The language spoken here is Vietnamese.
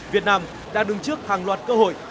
việt nam đang đứng trước hàng loạt cơ hội